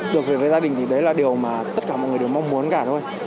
được về với gia đình thì đấy là điều mà tất cả mọi người đều mong muốn cả thôi